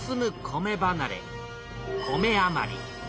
米余り。